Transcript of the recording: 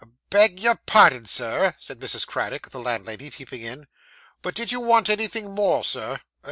'Beg your pardon, Sir,' said Mrs. Craddock, the landlady, peeping in; 'but did you want anything more, sir?